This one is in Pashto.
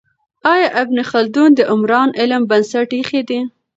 آیا ابن خلدون د عمران علم بنسټ ایښی دی؟